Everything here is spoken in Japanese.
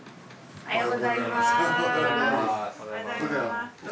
・おはようございます。